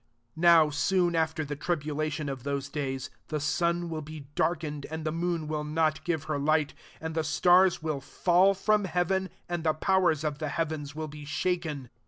29 Now, soon after the tiil lation of those days, the sun be darkened, and the mooa wi not give her light, and the s\ will fall from heaven, and powers of the heavens will shaken.